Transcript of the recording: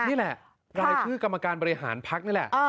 นี่แหล่ะกรรมากรรมบริหารพรรคนี่แหละ